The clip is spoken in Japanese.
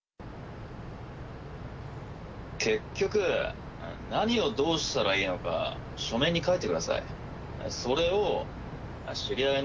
結局、何をどうしたらいいのか、書面に書いてください。